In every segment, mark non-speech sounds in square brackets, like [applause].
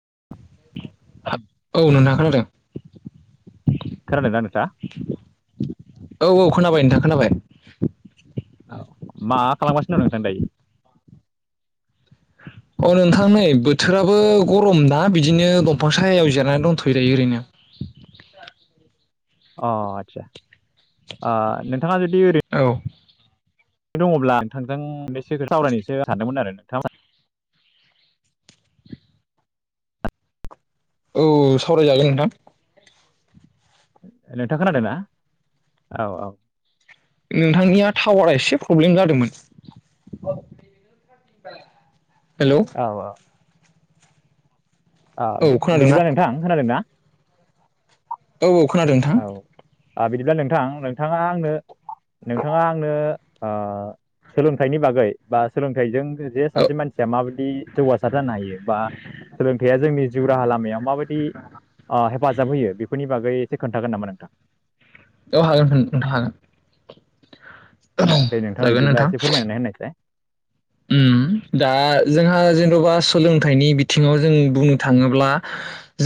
[inaudible] खोनादों दा नोंथाङा औ औ खोनाबाय नोंथां खोनाबाय। औ मा खालामगासिनो दं नोंथां दायो। औ नोंथां नै बोथोराबो गरम ना बिदिनो दंफां सायाव जिरनानै दंथ'योदायो ओरैनो अ आथसा नोंथाङा जुदिओरै औ दङब्ला नोंथांजों बेसेखौ सावरायनोसो सानदोंमोन आरो नोंथां। औ सावरायजागोन नोंथां नोंथां खोनादों ना औ औ। नोंथांनिया टावारा एसे प्रब्लेम जादोंमोन। [inaudible] औ औ बिदिब्ला नोंथां खोनादों ना औ औ खोनादों नोंथां औ बिदिब्ला नोंथां नोंथाङा आंनो नोंथाङा आंनो ओ सोलोंथाइनि बागै बा सोलोंथाइजों जे औ सासे मानसिया माबायदि जौगासार जानो हायो बा सोलों जिउ राहा लामायाव माबायदि हेफाजाब होयो बेफोरनि बागै एसे खोन्थागोन नामा नोंथां? औ हागोन हागोन औ दे नोंथां बिदिब्ला एसे फोरमायनानै होनायसाय उम दा जोंहा जेन'बा सोलोंथाइनि बिथिङाव जों बुंनो थाङोब्ला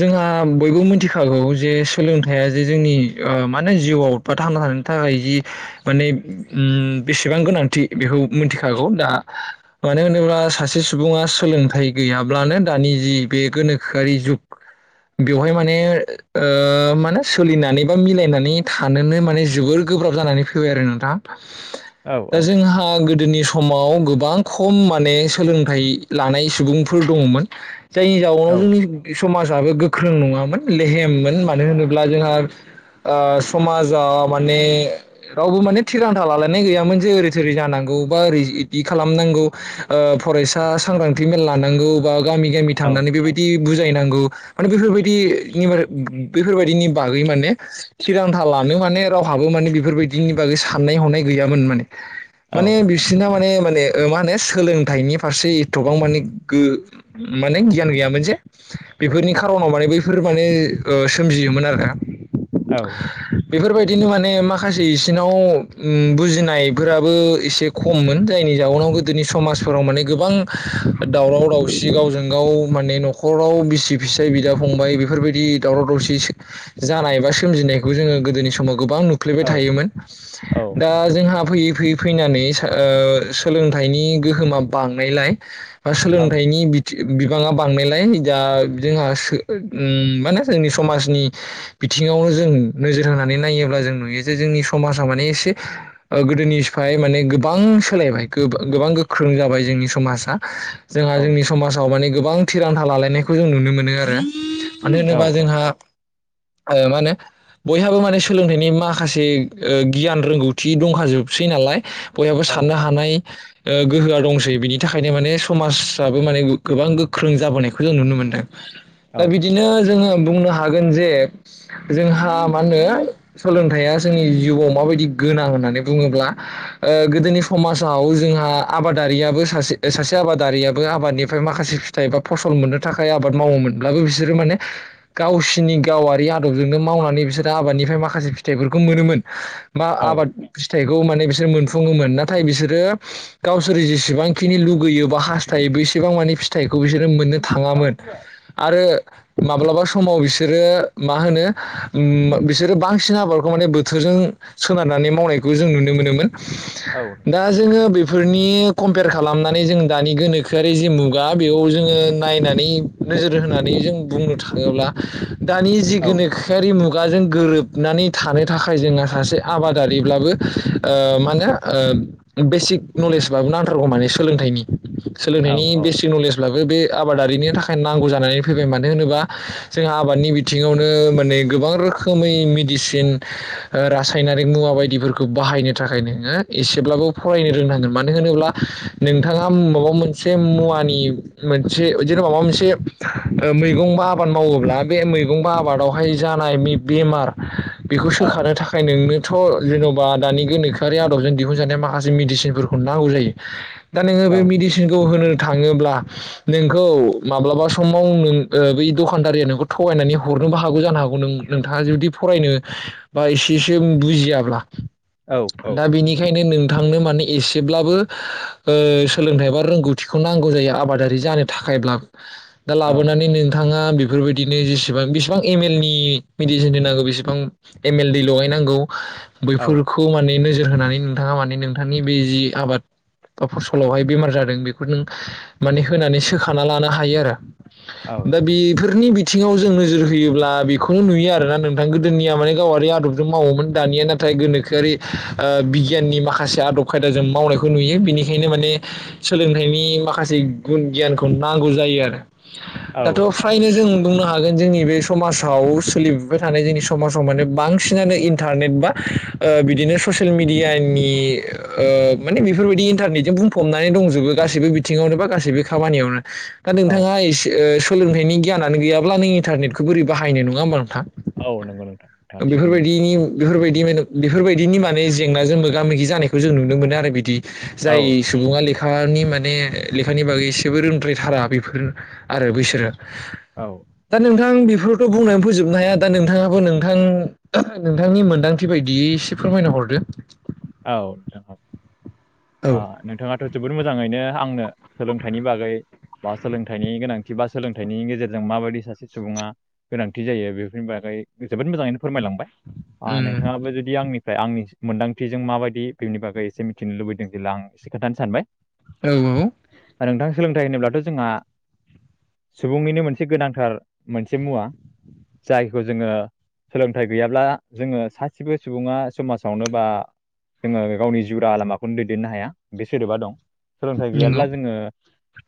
जोंहा बयबो मिथिखागौ जे सोलोंथाइया जे जोंनि मानो होनो जिउआव बा थांना थानायनि थाखाय जि माने बेसेबां गोनांथि बेखौ मिथिखागौ दा [inaudible] मानो होनोब्ला सासे सुबुङा सोलोंथाइ गैयाब्लानो दानि जि बे गोनोखोआरि जुग बेवहाय माने मानो सोलिनानै बा मिलायनानै थानोनो माने जोबोर गोब्राब जानानै फैबाय आरो नोंथाङा औ दा जोंहा गोदोनि समाव गोबां खम माने सोलोंथाइ लानाय सुबुंफोर दङमोन जायनि औ जाउनाव जोंनि समाजाबो गोख्रों नङामोन लेहेममोन मानो होनोब्ला जोंहा। समाजाव माने रावबो माने थिरांथा लालायनाय गैयामोन जे ओरै थोरै जानांगौ बा ओरै इदि खालामनांगौ फरायसा सांग्रांथि मेल लानांगौ बा गामि गामि औ थांनानै बेबायदि बुजायनांगौ माने बेफोरबायदि बेफोरबायदिनि बागै माने थिरांथा ला माने रावहाबो माने बेफोरबायदिनि बागै साननाय हनाय गैयामोन माने औ माने बिसिना माने मा माने होनो सोलोंथाइनि फारसे एथबां माने माने गियान गैयामोन जे बेफोरनि खार'नाव माने बैफोर माने सोमजियोमोन आरो ना। औ बेफोरबायदिनो माने माखासे इसिनाव बुजिनायफोराबो एसे खममोन जायनि जाउनाव गोदोनि समाजफोराव माने गोबां दावराव दावसि गावजों गाव माने न'खराव बिसि फिसाय बिदा फंबाय बेफोरबायदि दावराव दावसि जानाय बा सोमजिनायखौ जोङो गोदोनि समाव गोबां नुफ्लेबाय थायोमोन औ दा जोंहा फैयै फैयै फैनानै सा ओ सोलोंथाइनि गोहोमा बांनायलाय बा औ सोलोंथाइनि बिथिं बिबाङा बांनायलाय दा जोंहा सो उम माने जोंनि समाजनि बिथिं बिथिङावनो जों नोजोर होनानै नायोब्ला जों नुयो जे जोंनि समाजा माने एसे गोदोनि सिफाय माने गोबां सोलायबाय। गो गोबां गोख्रों जाबाय जोंनि समाजा जोंहा नोंथां जोंनि समाजाव माने गोबां थिरांथा लालायनायखौ जों नुनो मोनो आरो मानो औ होनोबा औ जोंहा आ मा होनो बयहाबो माने सोलोंथाइनि माखासे ओ गियान रोंगौथि दंखाजोबसै नालाय बयहाबो औ साननो हानाय ओ गोहोआ दंसै बिनि थाखायनो माने समाजाबो माने गोबां गोख्रों जाबोनायखौ जों नुनो मोनदों। औ दा बिदिनो जोङो बुंनो हागोन जे जोंहा मा होनो सोलोंथाइया जोंनि जिउआव माबायदि गोनां होननानै बुङोब्ला ओ गोदोनि समाज आव जोंहा आबादारियाबो सासे सासे आबादारियाबो आबादनिफ्राय माखासे फिथाइ एबा फसल मोननो थाखाय आबाद मावोमोनब्लाबो बिसोरो माने गावसिनि गावारि आदबजोंनो मावनानै बिसोरो आबादनि फ्राय माखासे फिथाइफोरखौ मोनोमोन बा औ आबाद फिथाइखौ माने बिसोर मोनफुङोमोन नाथाय बिसोर गावसोर जेसेबांखिनि लुगैयो बा हास्थायो बेसेबां माने फिथाइखौ बिसोरो मोननो थाङा मोन आरो माब्लाबा समाव बिसोरो मा होनो उम बिसोर आरो बांसिन आबादखौ माने बोथोरजों सोनारनानै मावनायखौ जों नुनो मोनोमोन। औ दा जोङो बेफोरनि कम्पेयार खालामनानै जों दानि गोनोखोआरि जि मुगा बेयाव जोङो नायनानै नोजोर होनानै जों बुंनो थाङोब्ला दानि जि औ गोनोखोआरि मुगाजों गोरोबनानै थानो थाखाय जोङो सासे आबादारिब्लाबो ओ मा होनो ओ बेसिक नलेजबाबो नांथारगौ माने सोलोंथाइनि सोलोंथाइनि औ बेसिक नलेजब्लाबो बे आबादारिनि थाखाय नांगौ जानानै फैबाय मानो होनोबा जोंहा आबादनि बिथिङावनो माने गोबां रो रोखोमै मेदिसिन रासायनारिक मुवा बायदिफोरखौ बाहायनो थाखाय नोङो एसेब्लाबो फरायनो रोंनांगोन मानो होनोब्ला नोंथाङा माबा मोनसे मुवानि मोनसे माबा मोनसे मैगं बा आबाद मावोब्ला बे मैगं बा आबादावहाय जानाय बे बेमार बेमार बेखौ सोखानो थाखाय नोंनोथ' जेन'बा दानि गोनोखोआरि आदबजों दिहुनजानाय माखासे मेडिसिनफोरखौ नांगौ जायो दा नोङो बे मेडिसिनखौ होनो थाङोब्ला नोंखौ माब्लाबा समाव ओ बै दखानदारिया नों थगायनानै हरो नोबो हागौ जानो हागौ नों नोंथाङा जुदि फरायनो बा एसेसो बुजियाब्ला। दा बेनिखायनो नों थांनो माने एसेब्लाबो ओ सोलोंथाइ बा रोंगौथिखौ नांगौ जायो आबादारि जानो थाखायब्ला दा लाबोनानै नोंथाङा बेफोरबायदिनो जेसेबां बेसेबां एम एल नि मेडिसिन होनांगौ बेसेबां एम एल दै लगायनांगौ बैफोरखौ माने नोजोर होनानै नोंथाङा माने नोंथांनि बे जि आबाद बा फसलावहाय बेमार जादों बेखौ नों माने होनानै सोखाना लानो हायो आरो दा बेफोरनि बिदि बिथिङाव जों नोजोर होयोब्ला बेखौनो नुयो आरोना नोंथां गोदोनिया माने गावारि आदबजों मावोमोन दानिया नाथाय गोनोखोआरि ओ बिगियाननि माखा माखासे आदब खायदा जों मावनायखौ नुयो बिनिखायनो माने सोलोंथाइनि माखासे गुन गियानखौ नांगौ जायो आरो औ दाथ' फ्रायनो जोङो बुंनो हागोन जोंनि बे समाजाव सोलिफुबाय थानाय जोंनि समाजाव माने बांसिनानो इन्टारनेट बा ओ बिदिनो ससियेल मिडियानि ओ माने बेफोरबायदि इन्टारनेटजों बुंफबनानै दंजोबो गासैबो बिथिङावनो बा गासैबो खामानियावनो दा औ नोंथाङा एसे ओ सोलोंथाइनि गियानानो गैयाब्ला नों इन्टारनेटखौ बोरै बाहायनो नङा होमबा नोंथां औ नंगौ नोंथां नोंथाङा थिगखौनो बुंदों। बेफोरबायदिनि बेफोरबायदि माने बेफोरबायदिनि माने जेंनाजों मोगा मोगि जानायखौ जों नुनो मोनो आरो बिदि औ जाय सुबुङा लेखा खानि माने लेखानि बागै एसेबो रोंद्रायथारा बेफोर आरो बैसोरो औ। ओं बेफोरखौ बुंनानै फोजोबनो हाया दा नोंथाङाबो नोंथां नोंथांनि मोन्दांथि बायदि एसे फोरमायना हरदो। औ नोंथां औ औ आ नोंथाङाथ' जोबोद मोजाङैनो आंनो सोलोंथाइनि बागै बा सोलोंथाइनि गोनांथि बा सोलोंथाइनि गेजेरजों माबायदि सासे सुबुङा गोनांथि जायो बेफोरनि बागै जोबोद मोजाङैनो फोरमायलांबाय आ उम नोंथाङाबो जुदि आंनिफ्राय आंनि मोनदां थिजों माबायदि बेनि बागै एसे मिथिनो लुबैदों जेब्ला आं एसे खोथानो सानबाय। औ औ नोंथां सोलोंथाइ होनोब्लाथ' जोंङा सुबुंनिनो मोनसे गोनांथार मोनसे मुवा जायखौ जोङो सोलोंथाइ गैयाब्ला जोङो सासेबो सुबुङा समाजावनो बा जोङो गावनि जिउ राहा लामाखौनो दैदेननो हाया बे सोदोबा दं। सोलोंथाइ नंगौ गैयाब्ला जोङो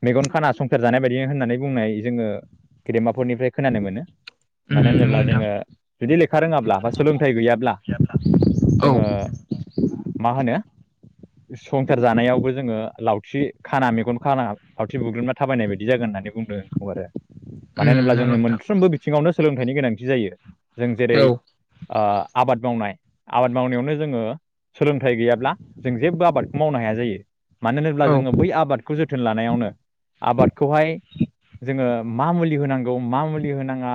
मेगन खाना संसार जानाय बायदि होननानै बुंनाय जोङो गेदेमाफोरनिफ्राय खोनानो मोनो। उम मानो नंगौ होनोब्ला नोंथां जोङो जुदि लेखा रोङाब्ला बा सोलोंथाइ गैयाब्ला औ जोङो मा होनो संसार जानायावबो जोङो लावथि खाना मेगन खाना लावथि बुग्रोमना थाबायनाय बायदि जागोन। होननानै बुंदों खौ आरो। मानो उम होनोब्ला नंगौ जोंनि नोंथां मोनफ्रोमबो बिथिङावनो सोलोंथाइनि गोनांथि जायो। जों जेरै औ ओ आबाद मावनाय आबाद मावनायावनो जोङो सोलोंथाइ गैयाब्ला जों जेबबो आबादखौ मावनो हाया जायो। मानो होनोब्ला औ जोङो बै आबादखौ जोथोन लानायावनो आबादखौहाय जोङो मा मुलि होनांगौ मा मुलि होनाङा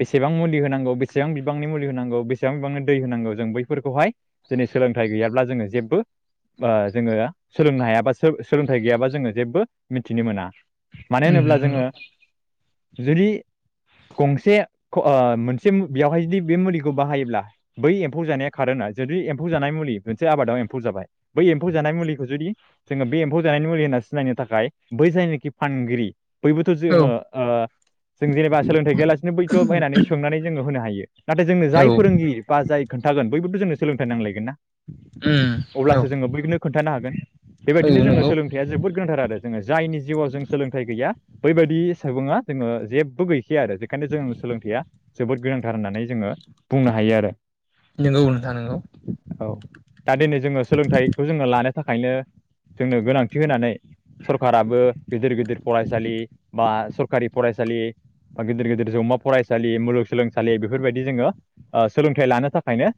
बेसेबां मुलि होनांगौ, बेसेबां बिबांनि मुलि होनांगौ, बेसेबां बिबांनि दै होनांगौ जों बैफोरखौहाय दिनै सोलोंथाइ गैयाब्ला जोङो जेबबो ओ जोङो सोलोंनो हायाबा सो-सोलोंथाइ गैयाबा जोङो जेबो मिथिनो मोना। मानो उम होनोब्ला जोङो नंगौ। जुदि गंसे ख' ओ मोनसे बेवहाय जुदि बे मुलिखौ बाहायोब्ला बै एम्फौ जानाया खारो ना जुदि एम फौ जानाय मुलि मोनसे आबादाव एम्फौ जाबाय। बै एम्फौ जानाय मुलिखौ जुदि जोङो बे एम्फौ जानायनि मुलि होनना सिनायनो थाखाय बै जायनाखि फानगिरि बैबोथ' औ जोङो ओ जों जेनेबा सोलोंथाइ गैयालासिनो बैथ' बनायनानै सोंनानै जोङो होनो हायो। नाथाय जोंनो औ जाय फोरोंगिरि बा जाय खोन्थागोन बैबोथ' जोंनो सोलोंथाइ नांलायगोन ना। ओम। अब्लासो जोङो बैनोबो खोन्थानो हागोन। बेबायदिनो नंगौ जोङो सोलोंथाइया जोबोद गोनांथार आरो जोङो जायनि जिउआव जों सोलोंथाइ गैया बैबायदि सुबुङा जोङो जेबो गैखाया आरो बेखायनो जों सोलोंथाइया जोबोद गोनांथार होननानै जोङो बुंनो हायो आरो नोंगौ नोंथां नोंगौ। औ दा दिनै जोङो सोलोंथाइखौ जोङो लानो थाखायनो जोंनो गोनांथि होनानै सरखाराबो गिदिर गिदिर फरायसालि बा सरखारि फरायसालि बा गिदिर गिदिर जौमा फरायसालि मुलुगसोलोंसालि बेफोरबायदि जोङो ओ सोलोंथाइ लानो थाखायनो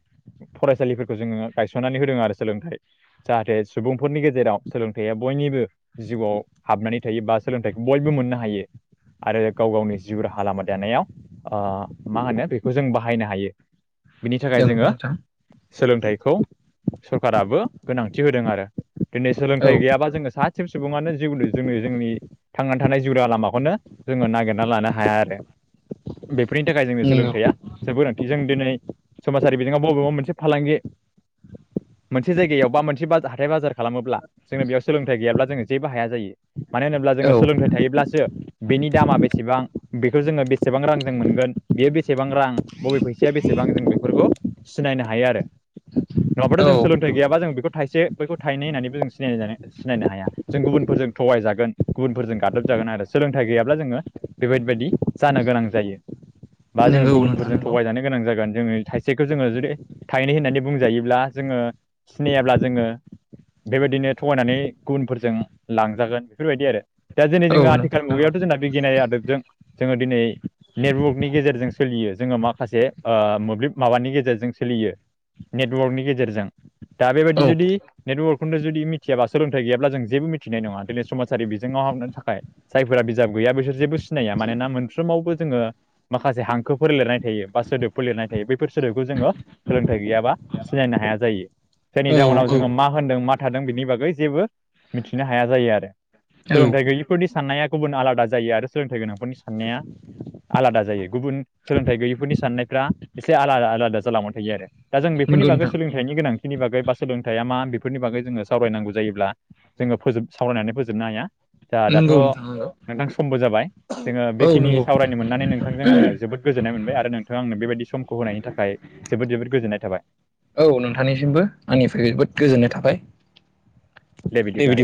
फरायसालिफोरखौ जोङो गायसननानै होदों आरो सोलोंथाइ जाहाथे सुबुंफोरनि गेजेराव सोलोंथाइया बयनिबो जिउआव हाबनानै थायो बा सोलोंथाइखौ बयबो मोननो हायो। आरो गाव गावनि जिउ राहा लामा दानायाव ओ मा होनो बेखौ जों बाहायनो हायो। बिनि थाखाय नंगौ जोङो नोंथां सोलोंथाइखौ सरकाराबो गोनांथि होदों आरो। दिनै औ सोलोंथाइ गैयाबा जोङो सा सिब सुबुङानो जिउनो जोंनि जोंनि थांनानै थानाय जिउ राहा लामाखौनो जोङो नागिरना लानो हाया आरो। बेफोरनि थाखाय जोंनो नंगौ सोलोंथाइया जोबो नांथि जों दिनै समाजारि बिथिङाव बबेबा मोनसे फालांगि मोनसे जायगायाव बा मोनसे बाजा हाथाय बाजार खालामोब्ला जोंङो बेयाव सोलोंथाइ गैयाब्ला जोङो जेबो हाया जायो। मानो होनोब्ला औ जोङो सोलोंथाइ थायोब्लासो बेनि दामा बेसेबां बेखौ जोङो बेसेबां रांजों मोनगोन बेयो बेसेबां रां बबे फैसाया बेसेबां जों बेफोरखौ सिनायनो हायो आरो नङाबथ' औ जों सोलोंथाइ गैयाबा जों खौ थाइसे बैखौ थायनै होननानैबो जों सिनायनाय जानो सिनायनो हाया जों गुबुनफोरजों थगाय जागोन गुबुनफोरजों गादब जागोन आरो सोलोंथाइ गैयाब्ला जोङो बेबायबायदि जानो गोनां जायो। बा जोङो नंगौ नोंथां गुबुनफोरजों नंगौ थगायजानो गोनां जागोन जोङो थाइसेखौ जोङो जुदि थायनै होननानै बुंजायोब्ला जोङो सिनायाब्ला जोङो बे बायदिनो थगायनानै गुबुनफोरजों लांजागोन फोरबायदि आरो दा दिनै औ जोंङो आथिखाल नंगौ मुगायाव थ' जोंना बिगियानारि आदबजों जोङो दिनै नेबवकनि गेजेरजों सोलियो जोङो माखासे ओ मोब्लिब माबानि गेजेरजों सोलियो। नेटवर्कनि गेजेरजों। दा बेबायदि औ जुदि नेटवर्कखौनो जुदि मिथियाबा सोलोंथाइ गैयाब्ला जों जेबो मिथिनाय नङा दिनै समाजारि बिजोंआव [unintelligible] नो थाखाय जायफोरा बिजाब गैया बिसोर जेबो सिनाया मानोना मोनफ्रावबो जोङो माखासे हांखो फोर लिरनाय थायो बा सोदोबफोर लिरनाय थायो बैफोर सोदोबखौ जोङो सोलोंथाइ गैयाबा सिनायनो हाया जायो। जायनि औ जाउनाव जोङो मा होनदों मा थादों बिनि बागै जेबो मिथिनो हाया जायो आरो। सोलोंथाइ नंगौ गैयिफोरनि साननाया गुबुन आलादा जायो आरो सोलोंथाइ गोनांफोरनि साननाया आलादा जायो गुबुन सोलोंथाइ गैयैफोरनि साननायफ्रा एसे आलादा आलादा जालांबा थायो आरो दा जों बेफोरनि बागै नोंथां सोलोंथाइनि गोनां थिनि बागै बा सोलोंथाइया मा बेफोरनि बागै जोङो सावरायनांगौ जायोब्ला जोङो फोजोब सावरायनानै फोजोबनो हाया। जा दाथ' नंगौ नोंथां नंगौ नोंथां समबो जाबाय जोङो औ बेखिनि नंगौ सावरायनो मोननानै नोंथांजों आङो जोबोद गोजो जोननाय मोनबाय आरो नोंथाङा आंनो बेबायदि समखौ होनायनि थाखाय जोबोद जोबोद गोजोननाय थाबाय। औ नोंथांनिसिमबो आंनिफ्राय जोबोद गोजोननाय थाबाय। दे बिदिब्ला।